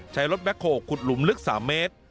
ใช้รถแบ็คโฮลขุดหลุมลึก๓เมตร